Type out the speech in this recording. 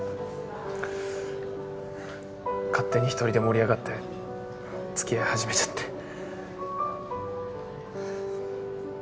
勝手に一人で盛り上がって付き合い始めちゃって。